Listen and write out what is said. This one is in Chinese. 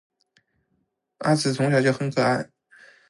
阿梓从小就很可爱